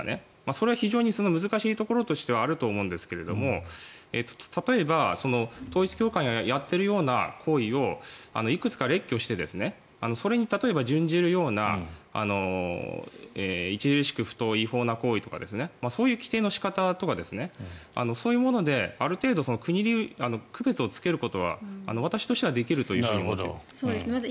それは非常に難しいところとしてあると思うんですが例えば、統一教会がやっているような行為をいくつか列挙してそれに、例えば準じるような著しく不当、違法な行為とかそういう規定の仕方とかそういうものである程度区別をつけることは私としてはできると思っています。